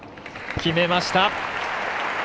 決めました。